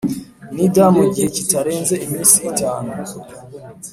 Nida mu gihe kitarenze iminsi itanu